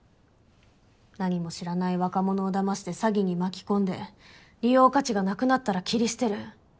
何も知らない若者を騙して詐欺に巻き込んで利用価値がなくなったら切り捨てる。